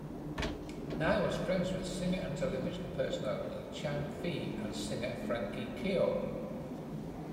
Ni was friends with singer and television personality Chang Fei and singer Frankie Kao.